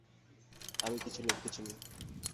আমি কিছু লোককে চিনি।